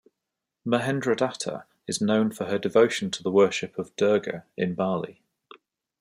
Mahendradatta is known for her devotion to the worship of Durga in Bali.